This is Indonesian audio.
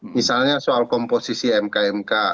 misalnya soal komposisi mk mk